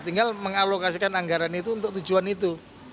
tinggal mengalokasikan anggaran itu untuk tujuan itu